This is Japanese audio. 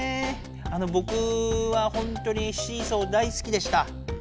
あのぼくはほんとにシーソー大すきでした。